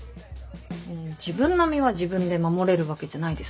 自分の身は自分で守れるわけじゃないですか。